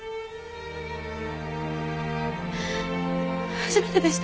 初めてでした。